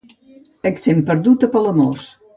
Accent perdut a Palamós